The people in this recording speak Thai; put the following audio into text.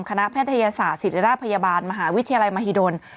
แพทยศาสตร์ศิริราชพยาบาลมหาวิทยาลัยมหิดล